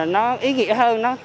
nó ý nghĩa hơn